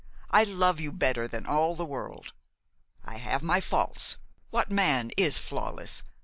I love you better than all the world. I have my faults, what man is flawless?